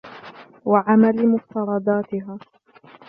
وَعَمَلِ مُفْتَرَضَاتِهَا